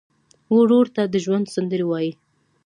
ورور ته د ژوند سندرې وایې.